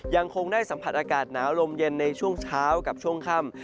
ยังคงได้สัมผัสอากาศหนาวลมเย็นในช่วงเช้ากับช่วงค่ำ